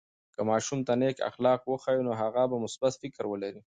که ماشوم ته نیک اخلاق وښیو، نو هغه به مثبت فکر ولري.